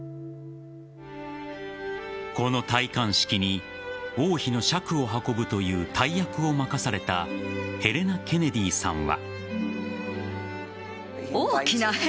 この戴冠式に王妃の笏を運ぶという大役を任されたヘレナ・ケネディさんは。